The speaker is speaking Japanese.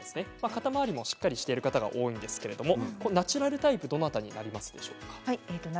肩回りもしっかりしている方が多いんですけれどもナチュラルタイプはどなたになりますか？